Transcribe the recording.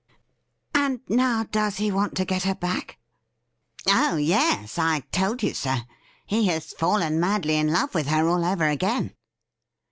' And, now, does he want to get her back i*' ' Oh yes ; I told you so. He has fallen madly in love with her all over again.'